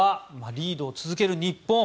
リードを続ける日本。